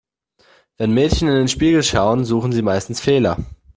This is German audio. Wenn Mädchen in den Spiegel schauen, suchen sie meistens Fehler.